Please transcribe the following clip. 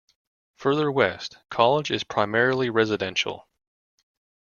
Further west, College is primarily residential.